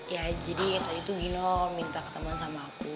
ya jadi tadi tuh gino minta ketemuan sama aku